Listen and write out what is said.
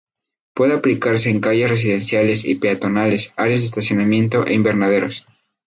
Puede aplicarse en calles residenciales y peatonales, áreas de estacionamiento e invernaderos.